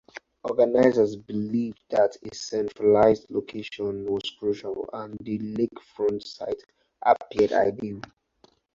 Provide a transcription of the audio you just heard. Organizers believed that a centralized location was crucial, and the lakefront site appeared ideal.